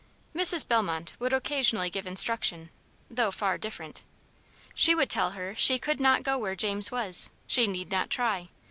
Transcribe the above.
Mrs. Bellmont would occasionally give instruction, though far different. She would tell her she could not go where James was; she need not try.